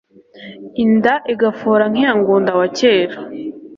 inda igafora nk'iya ngunda wa kera